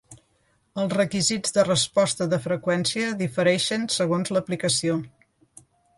Els requisits de resposta de freqüència difereixen segons l'aplicació.